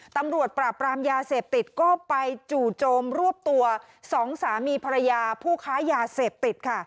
ตำรวจปราบปรามยาเสพติดก็ไปจู่โจมรวบตัวสองสามีภรรยาผู้ค้ายาเสพติดค่ะ